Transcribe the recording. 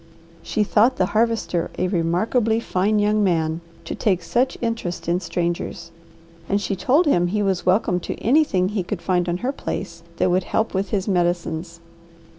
She thought the Harvester a remarkably fine young man to take such interest in strangers and she told him he was welcome to anything he could find on her place that would help with his medicines.